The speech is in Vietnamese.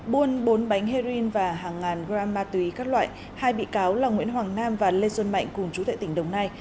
buôn bốn bánh heroin và hàng ngàn gram ma túy các loại hai bị cáo là nguyễn hoàng nam và lê xuân mạnh cùng chú thệ tỉnh đồng nai